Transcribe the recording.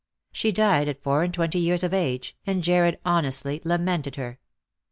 She died at fourand twenty years of age, and Jarred honestly lamented her.